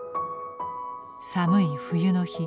寒い冬の日